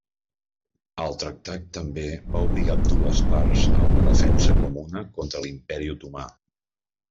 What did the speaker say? El tractat també va obligar ambdues parts a una defensa comuna contra l'Imperi Otomà.